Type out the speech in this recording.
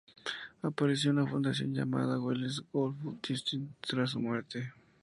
Apareció una fundación, llamada Wilhelm Gustloff-Stiftung, tras su muerte.